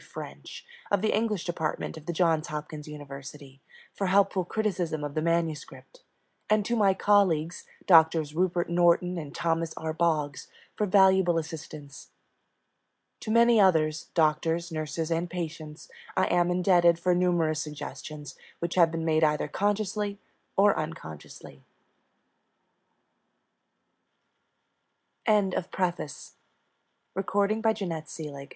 French, of the English Department of the Johns Hopkins University, for helpful criticism of the manuscript, and to my colleagues, Doctors Rupert Norton and Thomas R. Boggs, for valuable assistance. To many others doctors, nurses, and patients I am indebted for numerous suggestions which have been made either consciously or unconsciously. J. MORRIS SLEMONS. INTRODUCTION In all b